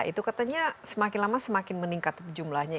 itu katanya semakin lama semakin meningkat jumlahnya